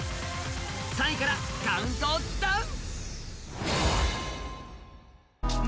３位からカウントダウン！